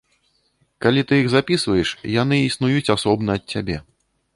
Калі ты іх запісваеш, яны існуюць асобна ад цябе.